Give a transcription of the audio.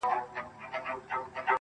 خدای زموږ معبود دی او رسول مو دی رهبر.